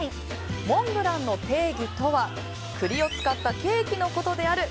モンブランの定義とは栗を使ったケーキのことである。